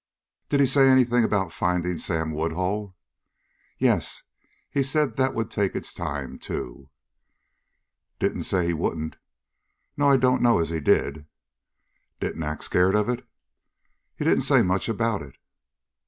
"Did he say anything about finding Sam Woodhull?" "Yes. He said that would take its time, too." "Didn't say he wouldn't?" "No, I don't know as he did." "Didn't act scared of it?" "He didn't say much about it."